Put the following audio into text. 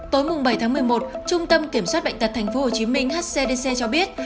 tối bảy tháng một mươi một trung tâm kiểm soát bệnh tật tp hcm hcdc cho biết